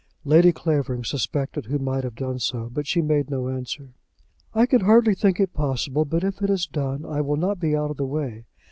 Lady Clavering suspected who might have done so, but she made no answer. "I can hardly think it possible; but, if it is done, I will not be out of the way.